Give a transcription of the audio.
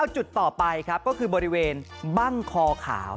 จุดต่อไปครับก็คือบริเวณบั้งคอขาว